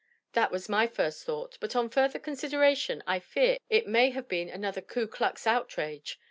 "That was my first thought; but on further consideration I fear it may have been another Ku Klux outrage.